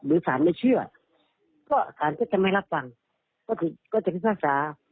หรือศาลไม่เชื่อก็ศาลก็จะไม่รับฟังก็ถึงก็จะพิษภาษา